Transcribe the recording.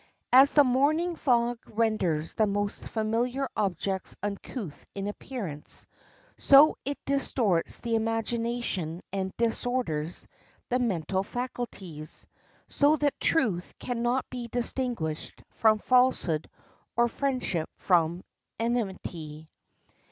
As the morning fog renders the most familiar objects uncouth in appearance, so it distorts the imagination and disorders the mental faculties, so that truth can not be distinguished from falsehood or friendship from enmity.